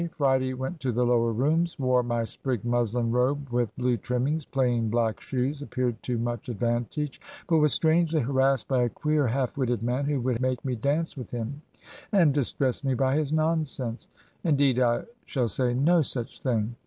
Friday went to the Lower Rooms; wore my sprigged muslin robe with blue trimmings, plain black shoes; appeared to much advantage, but was strangely harassed by a queer, half witted man who would make me dance with him, and distressed me by his nonsense.' 'Indeed I shall say no such thing.'